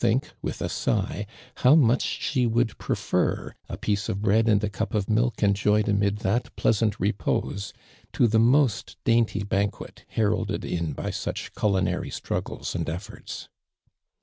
11 think, with a sigh, how much she wouhl prefer a piece of bread and a cup of milk enjoyed amid tliat pleasant repose, to the most dainty banquet, heralded in by such culinary struggles and efforts.